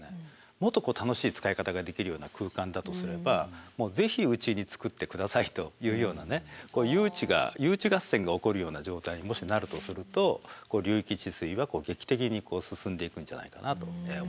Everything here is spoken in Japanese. もっと楽しい使い方ができるような空間だとすればもう是非うちに作ってくださいというようなね誘致合戦が起こるような状態にもしなるとすると流域治水は劇的に進んでいくんじゃないかなと思いました。